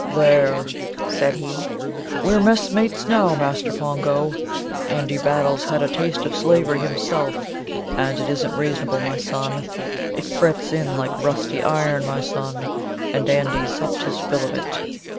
"There!" said he; "we're messmates now, Master Pongo. Andy Battle's had a taste of slavery himself, and it isn't reasonable, my son. It frets in like rusty iron, my son; and Andy's supped his fill of it.